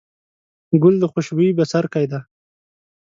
ګل د خوشبويي بڅرکی دی.